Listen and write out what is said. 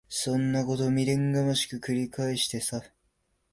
そんなこと未練がましく繰り返してさ。